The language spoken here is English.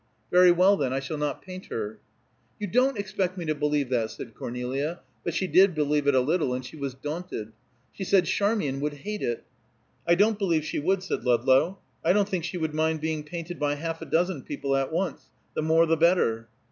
"Very well, then, I shall not paint her." "You don't expect me to believe that," said Cornelia, but she did believe it a little, and she was daunted. She said, "Charmian would hate it." "I don't believe she would," said Ludlow. "I don't think she would mind being painted by half a dozen people at once. The more the better."